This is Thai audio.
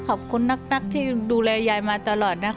ขอบคุณนักที่ดูแลยายมาตลอดนะคะ